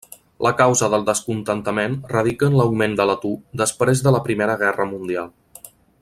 La causa del descontentament radica en l'augment de l'atur després de la primera guerra mundial.